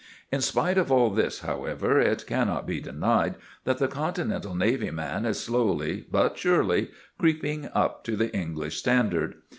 In spite of all this, however, it cannot be denied that the Continental navy man is slowly but surely creeping up to the English standard.